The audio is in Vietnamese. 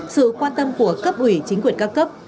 sự quan tâm của cấp ủy chính quyền các cấp